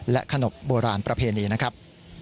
ขนบโบราณประเพณีนะครับ